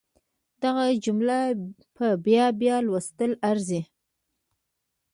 دغه جمله په بيا بيا لوستلو ارزي.